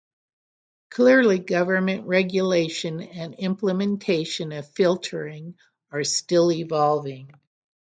Clearly government regulation and implementation of filtering are still evolving.